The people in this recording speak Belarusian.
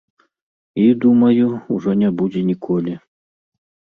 І, думаю, ужо не будзе ніколі.